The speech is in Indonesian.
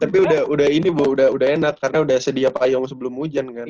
tapi udah ini udah enak karena udah sedia payung sebelum hujan kan